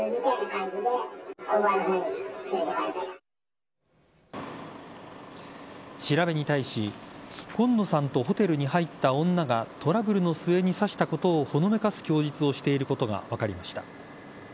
調べに対し今野さんとホテルに入った女がトラブルの末に刺したことをほのめかす供述をしていることが分かりました。